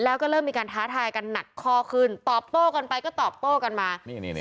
แล้วก็เริ่มมีการท้าทายกันหนักข้อขึ้นตอบโต้กันไปก็ตอบโต้กันมา